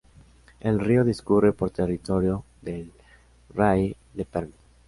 El río discurre por territorio del krai de Perm.